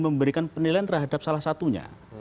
memberikan penilaian terhadap salah satunya